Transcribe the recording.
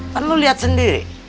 kan lu lihat sendiri